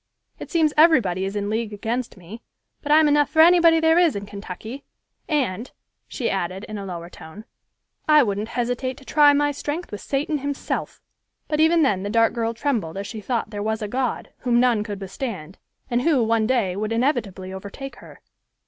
It seems everybody is in league against me, but I'm enough for anybody there is in Kentucky; and," she added, in a lower tone, "I wouldn't hesitate to try my strength with Satan himself;" but even then the dark girl trembled as she thought there was a God, whom none could withstand, and who, one day, would inevitably overtake her.